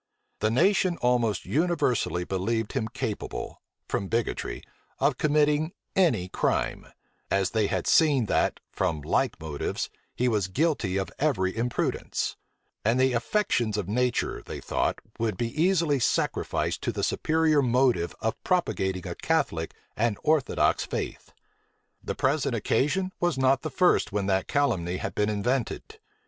The nation almost universally believed him capable, from bigotry, of committing any crime; as they had seen that, from like motives, he was guilty of every imprudence: and the affections of nature, they thought, would be easily sacrificed to the superior motive of propagating a Catholic and orthodox faith. The present occasion was not the first when that calumny had been invented.